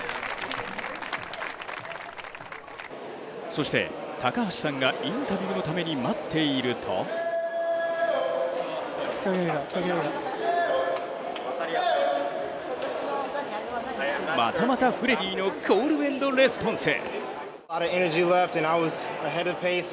そして高橋さんがインタビューのために待っているとまたまたフレディのコール＆レスポンス。